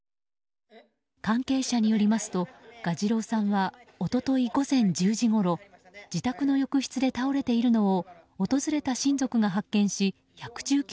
関係者によりますと蛾次郎さんは一昨日午前１０時ごろ自宅の浴室で倒れているのを訪れた親族が発見し１１９